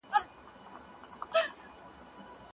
دواړي یو له بله ګراني نازولي